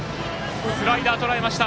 スライダーとらえました。